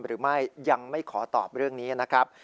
หรือไม่ยังไม่ขอตอบเรื่องนี้นะครับ